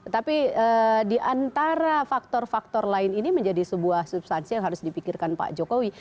tapi di antara faktor faktor lain ini menjadi sebuah substansi yang harus dipikirkan pak jokowi